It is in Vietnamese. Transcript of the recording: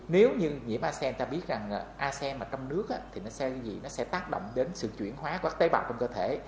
người ta biết rằng asem ở trong nước thì nó sẽ tác động đến sự chuyển hóa các tế bạc trong cơ thể